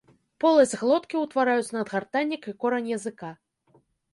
Поласць глоткі ўтвараюць надгартаннік і корань языка.